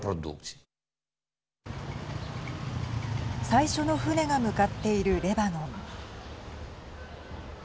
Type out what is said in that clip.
最初の船が向かっているレバノン。